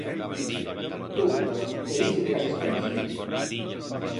Tu, feliz si te casas con mi.